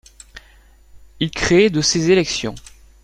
Il crée de ces élections.